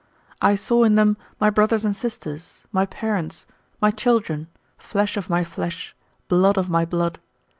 I saw in them my brothers and sisters, my parents, my children, flesh of my flesh, blood of my blood.